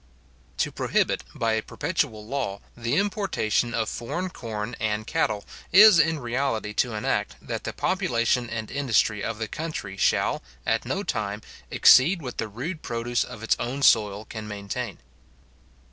To prohibit, by a perpetual law, the importation of foreign corn and cattle, is in reality to enact, that the population and industry of the country shall, at no time, exceed what the rude produce of its own soil can maintain.